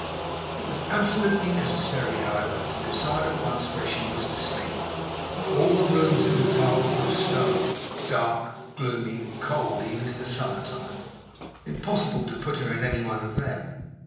It was absolutely necessary, however, to decide at once where she was to sleep. All the rooms in the tower were of stone dark, gloomy, and cold even in the summer time. Impossible to put her in any one of them.